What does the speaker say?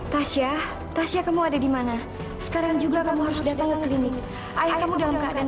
tasya tasya kamu ada di mana sekarang juga kamu harus datang ke klinik ayahmu dalam keadaan